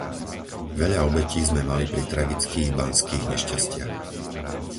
Veľa obetí sme mali pri tragických banských nešťastiach.